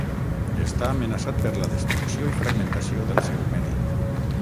Està amenaçat per la destrucció i fragmentació del seu medi.